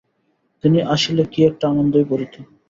তিনি আসিলে কি একটা আনন্দই পড়িত!